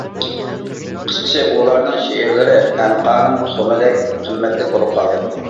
قىسقىسى ئۇلارنىڭ شېئىرلىرى ئەنقانىڭ تۇخۇمىدەك قىممەتلىك بولۇپ قالدى.